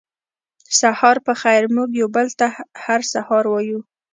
سهار پخېر موږ یو بل ته هر سهار وایو